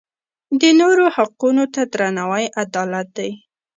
د نورو حقونو ته درناوی عدالت دی.